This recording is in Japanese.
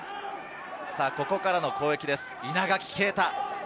ここからの攻撃です、稲垣啓太。